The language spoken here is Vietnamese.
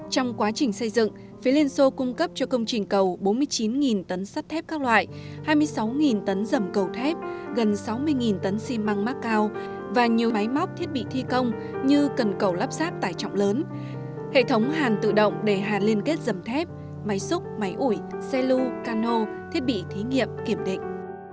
trong quá trình xây dựng phía liên xô cung cấp cho công trình cầu bốn mươi chín tấn sắt thép các loại hai mươi sáu tấn dầm cầu thép gần sáu mươi tấn xi măng má cao và nhiều máy móc thiết bị thi công như cần cầu lắp sát tải trọng lớn hệ thống hàn tự động để hàn liên kết dầm thép máy xúc máy ủi xe lưu cano thiết bị thí nghiệm kiểm định